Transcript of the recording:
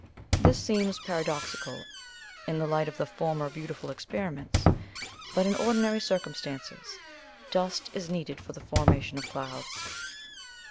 This seems paradoxical in the light of the former beautiful experiments; but, in ordinary circumstances, dust is needed for the formation of clouds.